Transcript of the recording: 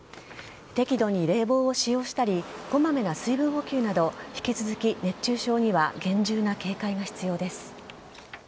適度に冷房を使用したりこまめな水分補給など引き続き、熱中症には厳重な警戒が必要です。